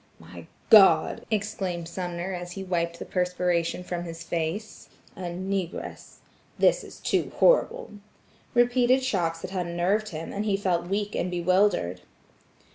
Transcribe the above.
"My God!" exclaimed Sumner as he wiped the perspiration from his face, "a negress! this is too horrible." Repeated shocks had unnerved him, and he felt weak and bewildered.